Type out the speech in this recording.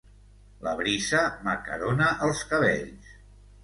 La brisa m'acarona els cabells.